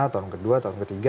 tahun kedua tahun ketiga